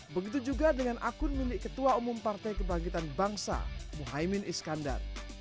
begitu juga dengan akun milik ketua umum partai kebangkitan bangsa muhaymin iskandar